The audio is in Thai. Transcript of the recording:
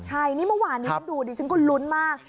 ใช่นี่เมื่อวานนี้ฉันดูดิฉันก็ลุ้นมาก